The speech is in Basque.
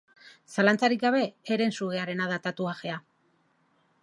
Zalantzarik gabe, herensugearena da tatuajea.